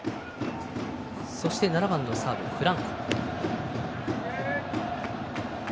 ７番のサード、フランコ。